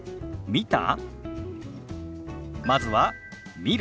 「見た？」。